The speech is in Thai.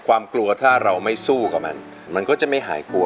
ความกลัวถ้าเราไม่สู้กับมันมันก็จะไม่หายกลัว